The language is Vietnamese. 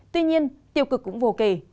tuy nhiên tiêu cực cũng vô kể